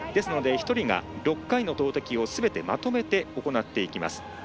１人が６回の投てきをすべて、まとめて行っていきます。